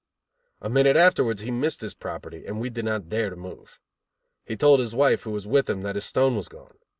A minute afterwards he missed his property, and we did not dare to move. He told his wife, who was with him, that his stone was gone.